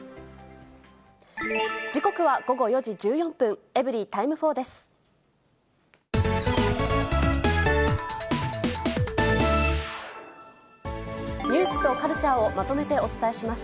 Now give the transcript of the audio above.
時刻は午後４時１４分、エブリィタイム４です。